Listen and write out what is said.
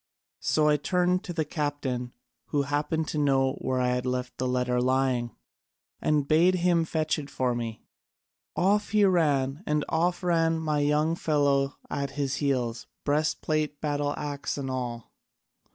So I turned to the captain who happened to know where I had left the letter lying, and bade him fetch it for me. Off he ran, and off ran my young fellow at his heels, breast plate, battle axe, and all.